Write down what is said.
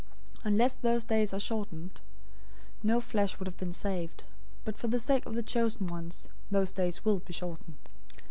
024:022 Unless those days had been shortened, no flesh would have been saved. But for the sake of the chosen ones, those days will be shortened.